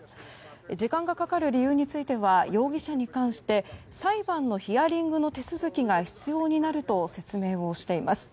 時間がかかる理由については容疑者に関して裁判のヒアリングの手続きが必要になると説明しています。